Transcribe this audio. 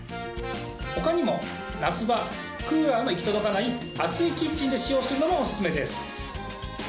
ほかにも夏場クーラーの行き届かない暑いキッチンで使用するのもおすすめです。